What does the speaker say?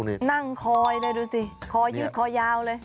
นี่นั่งคอยเลยดูสิคอยยืดคอยาวเลย